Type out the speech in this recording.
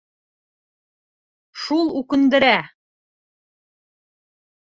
Шул үкендерә!